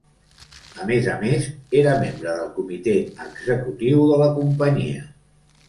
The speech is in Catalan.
A més a més, era membre del comitè executiu de la companyia.